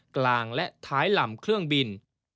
กลางและท้ายลำเครื่องบิน